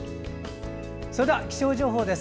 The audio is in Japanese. それでは気象情報です。